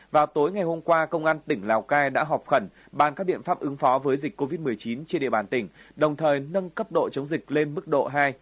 vào tối ngày hôm qua công an tỉnh lào cai đã họp khẩn bàn các biện pháp ứng phó với dịch covid một mươi chín trên địa bàn tỉnh đồng thời nâng cấp độ chống dịch lên mức độ hai